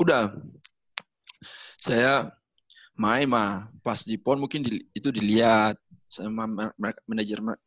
udah saya main lah pas di pon mungkin itu dilihat sama manajer